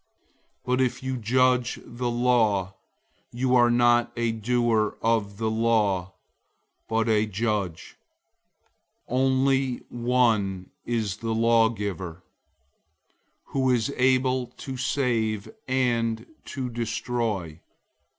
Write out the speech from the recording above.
But if you judge the law, you are not a doer of the law, but a judge. 004:012 Only one is the lawgiver, who is able to save and to destroy.